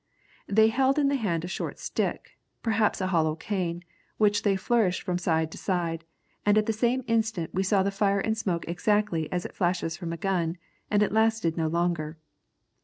"They held in the hand a short stick, perhaps a hollow cane, which they flourished from side to side, and at the same instant we saw the fire and smoke exactly as it flashes from a gun, and it lasted no longer.